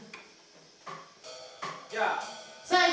じゃあ。